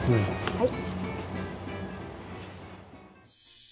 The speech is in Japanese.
はい。